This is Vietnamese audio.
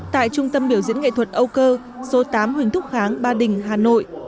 tại trung tâm biểu diễn nghệ thuật âu cơ số tám huỳnh thúc kháng ba đình hà nội